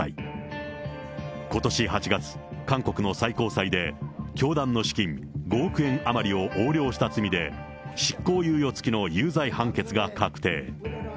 ことし８月、韓国の最高裁で、教団の資金５億円余りを横領した罪で、執行猶予付きの有罪判決が確定。